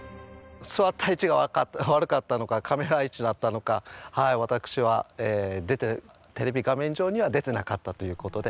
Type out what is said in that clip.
座った位置が悪かったのかカメラ位置だったのか私はテレビ画面上には出てなかったということで。